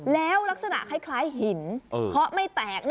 แล้วลักษณะคล้ายหินเคาะไม่แตก